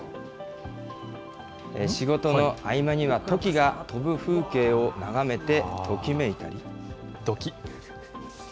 仕事の合間には、トキが飛ぶ風景を眺めてときめいたり。